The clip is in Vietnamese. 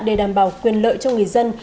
để đảm bảo quyền lợi cho người dân